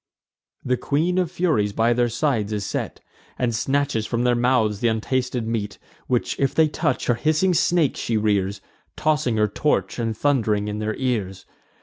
The Queen of Furies by their sides is set, And snatches from their mouths th' untasted meat, Which if they touch, her hissing snakes she rears, Tossing her torch, and thund'ring in their ears.